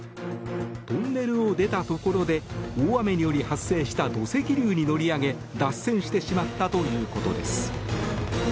トンネルを出たところで大雨により発生した土石流に乗り上げ脱線してしまったということです。